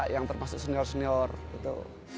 yang termasuk senior senior gitu